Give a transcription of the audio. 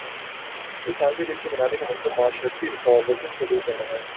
اس عالمی دن کے منانے کا مقصد معاشرتی رکاوٹوں کو دور کرنا ہے